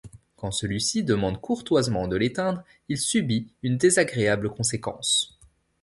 Quand celui-ci lui demande courtoisement de l'éteindre il subit une désagréable conséquence.